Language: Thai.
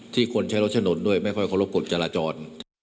ที่คนใช้รถฉะนดด้วยไม่ค่อยเคารพกฎจาระจร